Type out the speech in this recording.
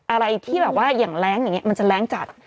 อะไรที่แหลงอย่างเนี้ยมันจะแหลงจัด